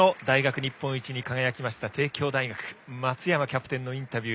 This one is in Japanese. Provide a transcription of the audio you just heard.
日本一に輝きました帝京大学松山キャプテンのインタビュー。